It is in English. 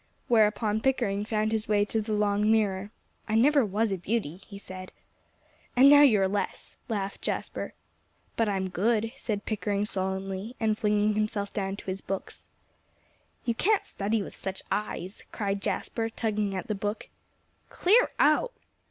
Whereupon Pickering found his way to the long mirror. "I never was a beauty," he said. "And now you are less," laughed Jasper. "But I'm good," said Pickering solemnly, and flinging himself down to his books. "You can't study with such eyes," cried Jasper, tugging at the book. "Clear out!"